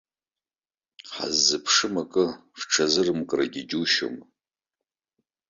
Ҳаззыԥшым акы рҽазырымкрагьы џьушьома.